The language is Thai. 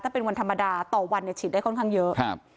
ถ้าเป็นวันธรรมดาต่อวันเนี่ยฉีดได้ค่อนข้างเยอะ